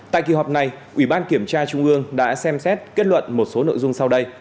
tại kỳ họp này ủy ban kiểm tra trung ương đã xem xét kết luận một số nội dung